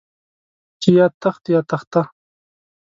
چې يا تخت يا تخته.